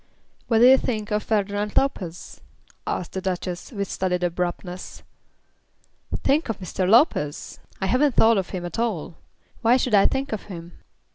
"What do you think of Ferdinand Lopez?" asked the Duchess, with studied abruptness. "Think of Mr. Lopez! I haven't thought of him at all. Why should I think of him?"